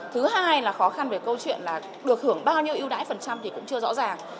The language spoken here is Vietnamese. thưởng bao nhiêu ưu đãi phần trăm thì cũng chưa rõ ràng